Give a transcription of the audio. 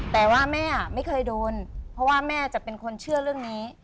แต่ว่าแม่ไม่เคยโดนเพราะว่าแม่จะเป็นคนเชื่อเรื่องนี้